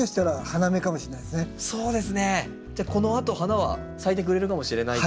じゃあこのあと花は咲いてくれるかもしれないと。